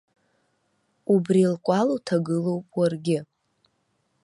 Убри лкәал уҭагылоуп уаргьы.